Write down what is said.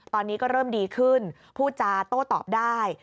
ตอนนี้ก็เริ่มดีขึ้นพูดจาโต้ตอบได้